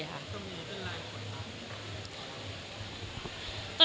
คุณแมร่เล็คอัตครับ